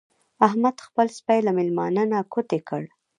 احمد خپل سپی له مېلمانه نه کوتې کړ.